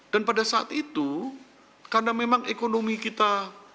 pada saat itu karena memang ekonomi kita